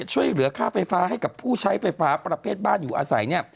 ช่วยเหลือค่าไฟฟ้าให้กับผู้ใช้ไฟฟ้าประเภทบ้านอยู่อาศัย